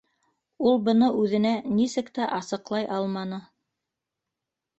Ул быны үҙенә нисек тә асыҡлай алманы.